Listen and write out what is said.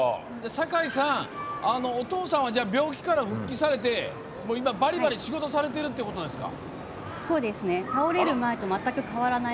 酒井さんお父さんは病気から復帰されて今、バリバリ仕事されてるってことなんですか？